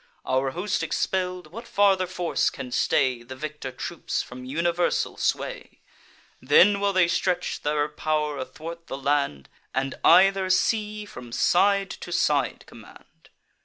Our host expell'd, what farther force can stay The victor troops from universal sway? Then will they stretch their pow'r athwart the land, And either sea from side to side command.